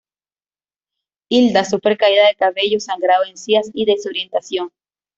Hilda sufre caída de cabello, sangrado de encías y desorientación.